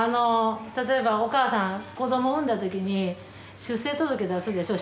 例えばお母さん子ども産んだ時に出生届出すでしょ